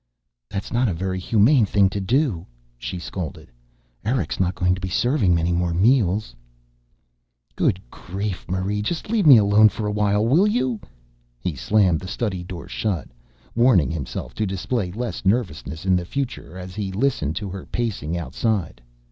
"That's not a very humane thing to do," she scolded. "Eric's not going to be serving many more meals " "Good grief, Marie, just leave me alone for a while, will you?" He slammed the study door shut, warning himself to display less nervousness in the future as he listened to her pacing outside.